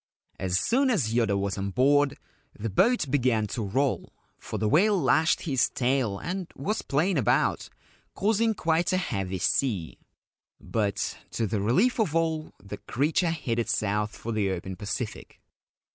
As soon as Yoda was on board, the boat began to roll, for the whale lashed his tail and was playing about, causing quite a heavy sea ; but, to the relief of all, the creature headed south for the open Pacific.